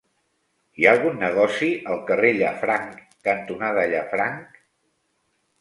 Hi ha algun negoci al carrer Llafranc cantonada Llafranc?